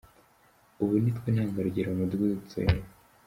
Ubu nitwe ntangarugero mu mudugudu dutuyemo.